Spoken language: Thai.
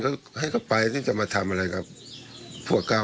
ก็ให้ก็ไปสิจะมาทำอะไรกับพวกเค้า